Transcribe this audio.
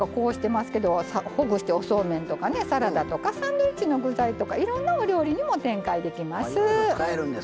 ほぐして、おそうめんとかサラダとかサンドイッチの具材とかいろんなお料理にも展開できます。